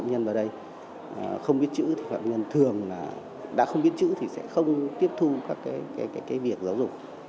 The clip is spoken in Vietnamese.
phạm nhân vào đây không biết chữ thì phạm nhân thường là đã không biết chữ thì sẽ không tiếp thu các cái việc giáo dục